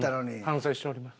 反省しております。